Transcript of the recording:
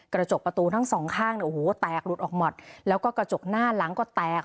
กระจกประตูทั้ง๒ข้างแตกรวดออกหมดแล้วก็กระจกหน้าหลังก็แตก